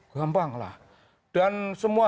gampang lah dan semua